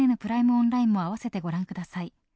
オンラインも併せてご覧ください。